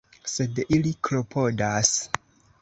Sed ili klopodas.